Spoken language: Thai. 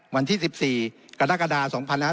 วันที่๑๔กรกฎา๒๕๕๙